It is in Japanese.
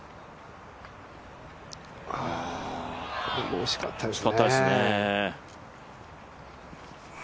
惜しかったですね。